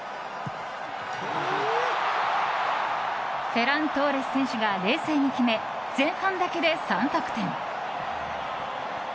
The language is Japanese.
フェラン・トーレス選手が冷静に決め、前半だけで３得点。